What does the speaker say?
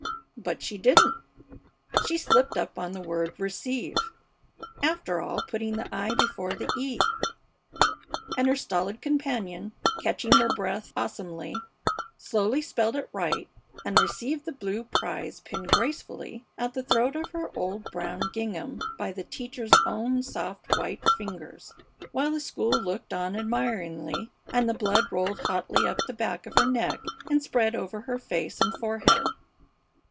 But she didn't; she slipped up on the word "receive," after all, putting the i before the e; and her stolid companion, catching her breath awesomely, slowly spelled it right and received the blue prize, pinned gracefully at the throat of her old brown gingham by the teacher's own soft, white fingers, while the school looked on admiringly and the blood rolled hotly up the back of her neck and spread over her face and forehead.